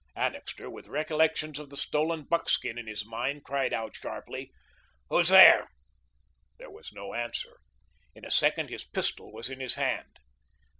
Annixter, with recollections of the stolen buckskin in his mind, cried out sharply: "Who's there?" There was no answer. In a second his pistol was in his hand.